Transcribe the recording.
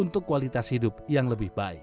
untuk kualitas hidup yang lebih baik